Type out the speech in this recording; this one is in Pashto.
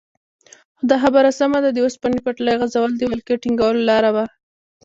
هو دا خبره سمه ده د اوسپنې پټلۍ غځول د ولکې ټینګولو لاره وه.